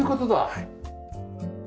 はい。